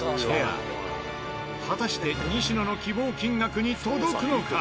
果たして西野の希望金額に届くのか？